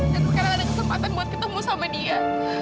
dan sekarang ada kesempatan buat ketemu sama dia